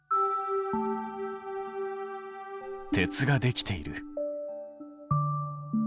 鉄ができている。